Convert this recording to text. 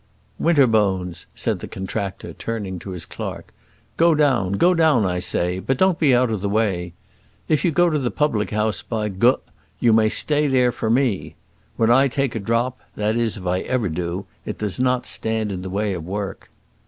"Winterbones," said the contractor, turning to his clerk, "go down, go down, I say; but don't be out of the way. If you go to the public house, by G , you may stay there for me. When I take a drop, that is if I ever do, it does not stand in the way of work."